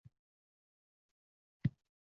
U hamisha tramvaylarda yurishni ma’qul ko’rardi.